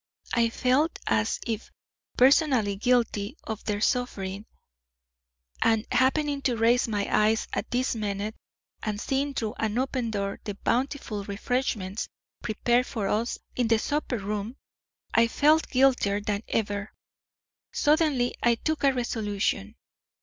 I felt as if personally guilty of their suffering, and, happening to raise my eyes at this minute and seeing through an open door the bountiful refreshments prepared for us in the supper room, I felt guiltier than ever. Suddenly I took a resolution.